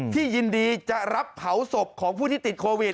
ยินดีจะรับเผาศพของผู้ที่ติดโควิด